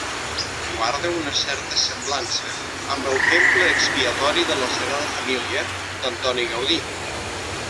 Guarda una certa semblança amb el Temple Expiatori de la Sagrada Família d'Antoni Gaudí.